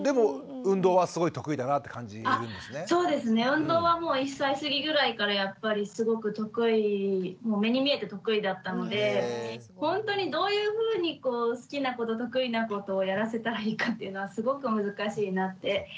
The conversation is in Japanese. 運動は１歳過ぎぐらいからやっぱりすごく得意目に見えて得意だったのでほんとにどういうふうにこう好きなこと得意なことをやらせたらいいかっていうのはすごく難しいなって思いますね。